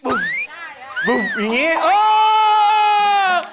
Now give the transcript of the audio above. สวัสดีค่ะ